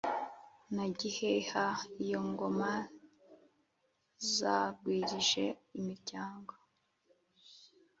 na giheha iyo ingoma zagwirije imiryango.